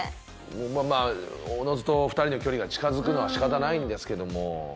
まあおのずと２人の距離が近づくのは仕方ないんですけども。